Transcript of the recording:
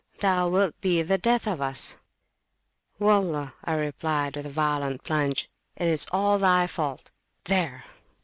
Thou wilt be the death of us. Wallah! I replied with a violent plunge, it is all thy fault! There!